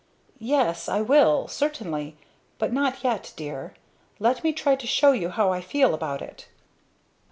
"Yes I will certainly. But not yet dear! Let me try to show you how I feel about it."